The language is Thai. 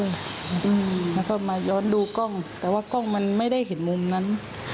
แล้วก็มาย้อนดูกล้องแต่ว่ากล้องมันไม่ได้เห็นมุมนั้น